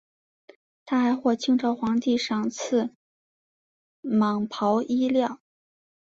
他还获清朝皇帝赏赐蟒袍衣料。